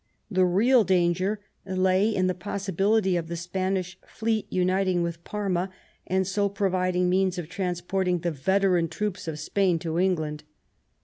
The real danger lay in the possibility of the Spanish fleet uniting with Parma, and so providing means of trans porting the veteran troops of Spain to England.